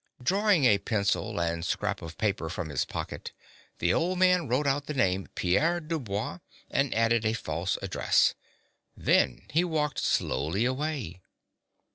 Drawing a pencil and scrap of paper from his pocket, the old man wrote out the name Pierre Du Bois, and added a false address. Then he walked slowly away.